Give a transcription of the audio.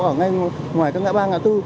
ở ngay ngoài các ngã ba ngã tư